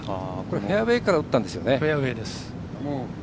フェアウエーから打ったんですよね。